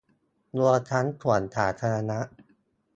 รวมทั้งสวนสาธาณะ